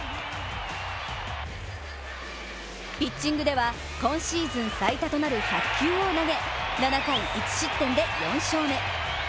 ピッチングでは、今シーズン最多となる１００球を投げ、７回１失点で４勝目。